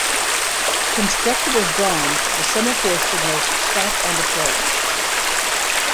Constructed of bronze, the semaphore signals stop and approach.